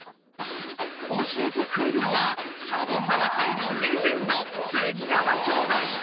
教えてくれるのはシャボン玉界のレジェンド杉山兄弟。